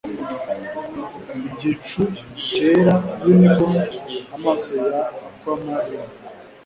Igicucyera unicorn amaso ya aquamarine